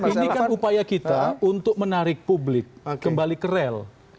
ini kan upaya kita untuk menarik publik kembali kerel